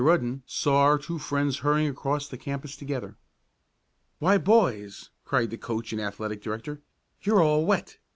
Rudden saw our two friends hurrying across the campus together. "Why, boys!" cried the coach and athletic director. "You're all wet!